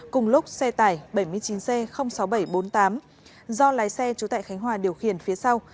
cùng lúc xe tải bảy mươi chín c sáu nghìn bảy trăm bốn mươi tám do lái xe trú tại khánh hòa điều khiển phía sau